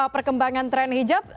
perkembangan tren hijab